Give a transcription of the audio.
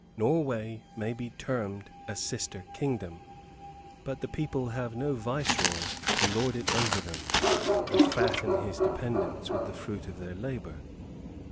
Norway may be termed a sister kingdom; but the people have no viceroy to lord it over them, and fatten his dependants with the fruit of their labour.